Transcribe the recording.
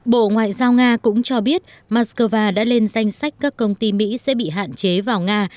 bộ ngoại giao nga cũng cho biết moscow đã lên danh sách các công ty mỹ sẽ bị hạn chế vào nga